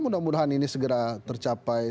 saya berharap ini segera tercapai